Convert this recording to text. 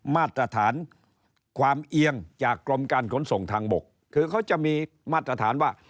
มาตรฐานความเอียงจากกรมการขนส่งทางบกคือเขาจะมีมาตรฐานว่า